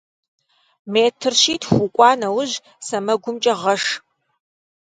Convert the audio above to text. Метр щитху укӏуа нэужь, сэмэгумкӏэ гъэш.